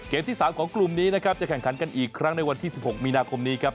ที่๓ของกลุ่มนี้นะครับจะแข่งขันกันอีกครั้งในวันที่๑๖มีนาคมนี้ครับ